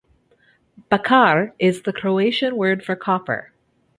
"Bakar" is the Croatian word for copper.